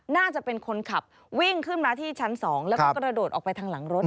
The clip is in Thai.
น่าจะเป็นคนขับวิ่งขึ้นมาที่ชั้น๒แล้วก็กระโดดออกไปทางหลังรถ